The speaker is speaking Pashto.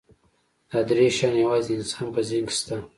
دا درې شیان یواځې د انسان په ذهن کې شته.